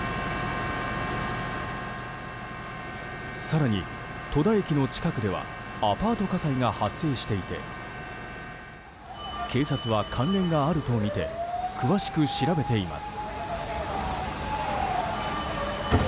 更に、戸田駅の近くではアパート火災が発生していて警察は関連があるとみて詳しく調べています。